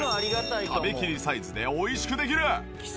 食べきりサイズで美味しくできる。